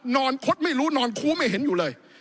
คดไม่รู้นอนคู้ไม่เห็นอยู่เลย